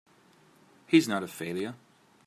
He's not a failure!